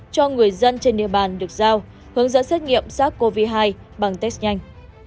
cho người dân trên địa bàn được giao hướng dẫn xét nghiệm sars cov hai bằng test nhanh